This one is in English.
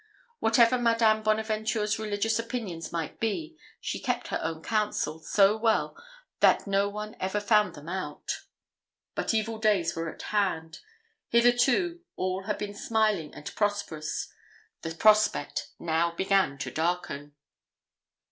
Whatever Madame Bonaventure's religious opinions might be, she kept her own council so well that no one ever found them out. But evil days were at hand. Hitherto, all had been smiling and prosperous. The prospect now began to darken.